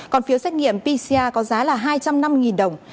còn phiếu xét nghiệm pcr có giá là hai trăm năm mươi đồng